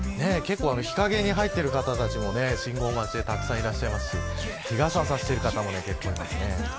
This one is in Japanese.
日陰に入っている方たちも信号待ちでたくさんいらっしゃいますし日傘を差している方も結構いますね。